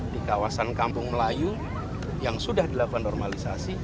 di kawasan kampung melayu yang sudah dilakukan normalisasi